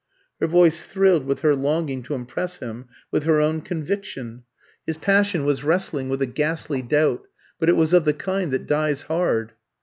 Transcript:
Her voice thrilled with her longing to impress him with her own conviction. His passion was wrestling with a ghastly doubt, but it was of the kind that dies hard.